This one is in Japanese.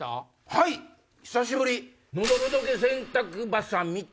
はい久しぶり。